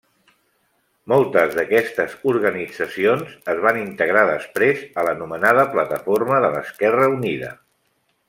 Moltes d'aquestes organitzacions es van integrar després a l'anomenada Plataforma de l'Esquerra Unida.